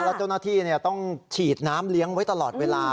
แล้วเจ้าหน้าที่ต้องฉีดน้ำเลี้ยงไว้ตลอดเวลา